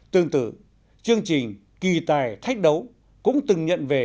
tương tự chương trình kỳ tài thách đấu cũng từng nhận về